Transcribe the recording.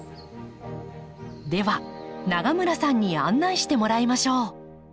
では永村さんに案内してもらいましょう。